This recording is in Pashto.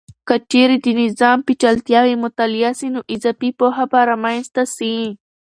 که چیرې د نظام پیچلتیاوې مطالعه سي، نو اضافي پوهه به رامنځته سي.